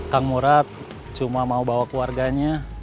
kang murad cuma mau bawa keluarganya